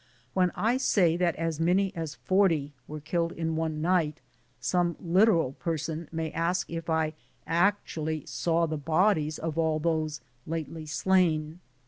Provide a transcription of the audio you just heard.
When I say that as many as forty were killed in one night, some literal person may ask if I actually saw the bodies of all those " lately slain